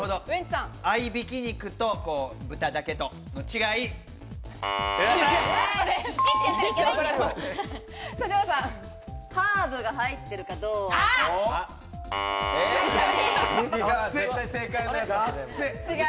合いびき肉と豚だけとの違い。